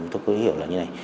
tôi có hiểu là như thế này